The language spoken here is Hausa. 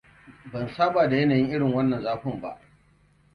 Ban saba da yanayin irin wannan zafin ba.